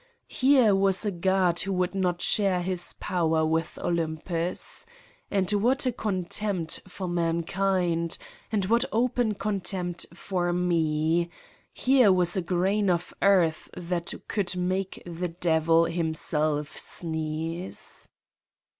Here was a god who would not share his power with Olympus! And what a contempt for man kind! And what open contempt for me! Here was a grain of earth that could make the devil himself sneeze!